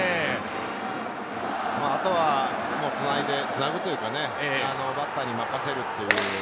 あとはつなぐというかバッターに任せる。